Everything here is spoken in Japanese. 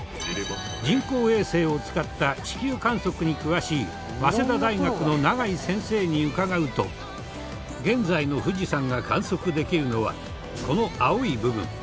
人工衛星を使った地球観測に詳しい早稲田大学の永井先生に伺うと現在の富士山が観測できるのはこの青い部分。